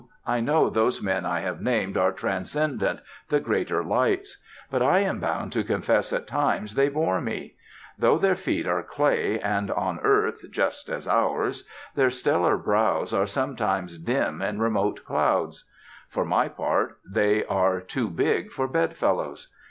I know those men I have named are transcendent, the greater lights. But I am bound to confess at times they bore me. Though their feet are clay and on earth, just as ours, their stellar brows are sometimes dim in remote clouds. For my part, they are too big for bed fellows.